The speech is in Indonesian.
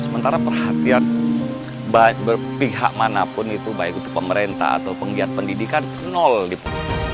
sementara perhatian berpihak manapun itu baik itu pemerintah atau penggiat pendidikan nol gitu